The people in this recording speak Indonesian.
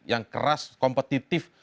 yang keras kompetitif